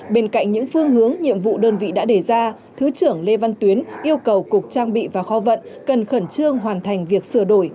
bên cạnh những phương hướng nhiệm vụ đơn vị đã đề ra thứ trưởng lê văn tuyến yêu cầu cục trang bị và kho vận cần khẩn trương hoàn thành việc sửa đổi